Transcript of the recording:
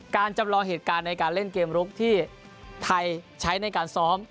จำลองเหตุการณ์ในการเล่นเกมลุกที่ไทยใช้ในการซ้อม